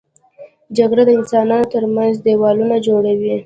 جګړه د انسانانو تر منځ دیوالونه جوړوي